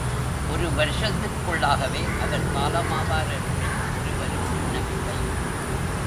ஒரு வருஷத்திற்குள்ளாகவே அவர் காலமாவார் என்று ஒருவரும் எண்ணவில்லை.